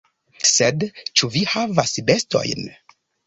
Sed, ĉu vi havas bestojn?